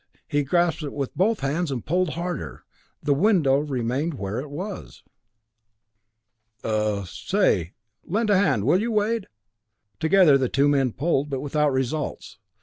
He grasped it with both hands and pulled harder. The window remained where it was. "Uh say, lend a hand will you, Wade." Together the two men pulled, but without results.